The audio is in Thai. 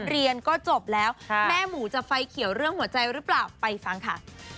เรียนก็จบแล้วแม่หมูจะไฟเขียวเรื่องหัวใจหรือเปล่าไปฟังค่ะ